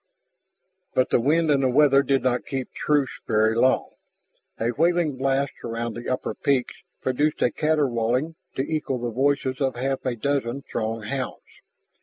But the wind and the weather did not keep truce very long. A wailing blast around the upper peaks produced a caterwauling to equal the voices of half a dozen Throg hounds.